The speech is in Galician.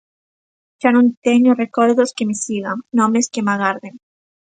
Xa non teño recordos que me sigan, nomes que me agarden.